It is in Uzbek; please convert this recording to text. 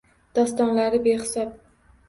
Dostonlari behisob.